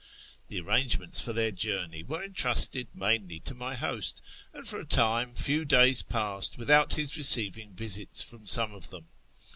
The arrangements for their journey were entrusted mainly to my host, and, for a time, few days passed without his receiving visits from some of them.